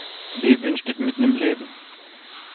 Levin steht mitten im Leben.